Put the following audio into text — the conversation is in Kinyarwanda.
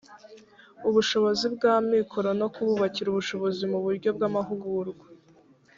ubushobozi bw amikoro no kububakira ubushobozi mu buryo bw amahugurwa